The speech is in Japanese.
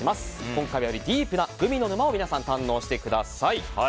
今回はよりディープなグミの沼を皆さん堪能してください。